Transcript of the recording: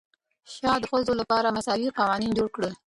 شاه د ښځو لپاره مساوي قوانین جوړ کړل.